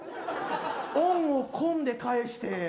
「恩」を「婚」で返して。